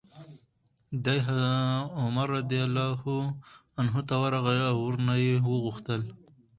دی عمر رضي الله عنه ته ورغی او ورنه ویې غوښتل